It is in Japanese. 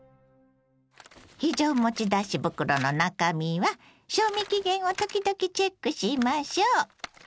非常持ち出し袋の中身は賞味期限を時々チェックしましょう。